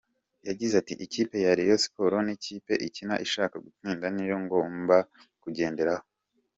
Yagizea ati “Ikipe ya Rayon Sports n’ikipe ikina ishaka gutsinda nicyo ngomba kugenderaho.